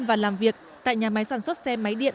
và làm việc tại nhà máy sản xuất xe máy điện